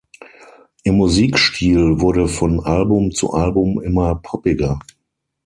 Ihr Musikstil wurde von Album zu Album immer poppiger.